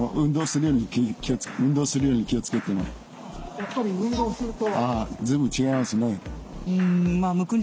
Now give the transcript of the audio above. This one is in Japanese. やっぱり運動すると？